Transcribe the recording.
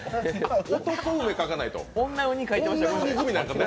男梅を描かないと。